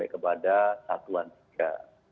kepada satuan tiga